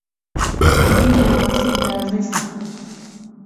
Iñina wasita risaq.